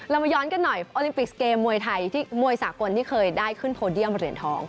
มาย้อนกันหน่อยโอลิมปิกเกมมวยไทยที่มวยสากลที่เคยได้ขึ้นโพเดียมเหรียญทอง